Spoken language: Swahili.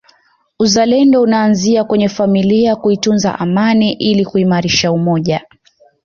Uzalendo unaanzia kwenye familia kuitunza amani ili kuimarisha umoja